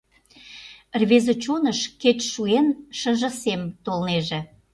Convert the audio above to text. Рвезе чоныш, кеч шуэн, Шыже сем толнеже.